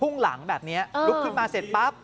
่งหลังแบบนี้ลุกขึ้นมาเสร็จปั๊บ